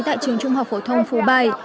tại trường trung học phổ thông phú bài